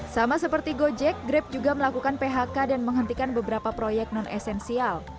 sama seperti gojek grab juga melakukan phk dan menghentikan beberapa proyek non esensial